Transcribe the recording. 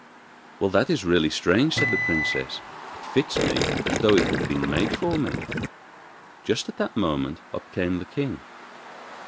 'Well, that is really strange,' said the princess. 'It fits me as though it had been made for me!' Just at that moment up came the king.